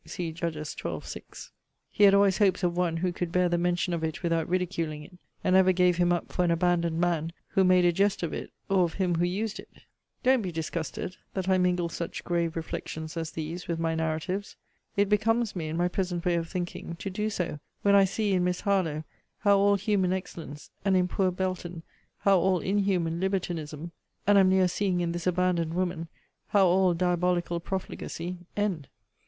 * He had always hopes of one who could bear the mention of it without ridiculing it; and ever gave him up for an abandoned man, who made a jest of it, or of him who used it. * See Judges xii. 6. Don't be disgusted, that I mingle such grave reflections as these with my narratives. It becomes me, in my present way of thinking, to do so, when I see, in Miss Harlowe, how all human excellence, and in poor Belton, how all inhuman libertinism, and am near seeing in this abandoned woman, how all diabolical profligacy, end.